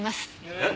えっ？